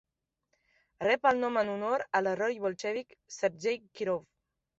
Rep el nom en honor a l'heroi bolxevic Sergej Kirov.